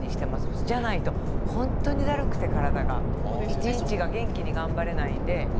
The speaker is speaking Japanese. そうじゃないと本当に体がだるくて一日、元気に頑張れないので。